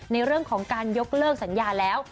ในเรื่องของการยกเลิกสัญญาแล้ว